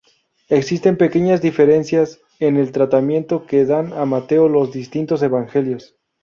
Existen pequeñas diferencias en el tratamiento que dan a Mateo los distintos Evangelios.